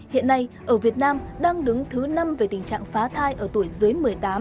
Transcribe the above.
hiện nay ở việt nam đang đứng thứ năm về tình trạng phá thai ở tuổi dưới một mươi tám